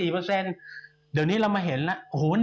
๑เปอร์เซ็นต์ก็ดีใจแล้ว